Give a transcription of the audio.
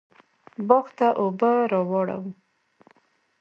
باغ ته اوبه راواړوه